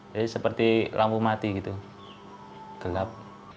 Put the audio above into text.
jadi seperti lampu mati gitu gelap